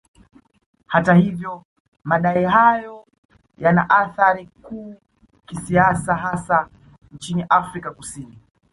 Hata hivyo madai hayo yana athari kuu kisiasa hasa nchini Afrika Kusini